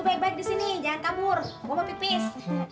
lu baik baik disini jangan kabur gue mau pipis